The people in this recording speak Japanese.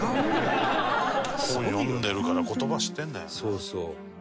そうそう。